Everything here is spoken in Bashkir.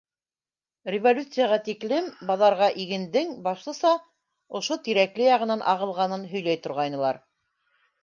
Революцияға тиклем, баҙарға игендең башлыса ошо Тирәкле яғынан ағылғанын һөйләй торғайнылар.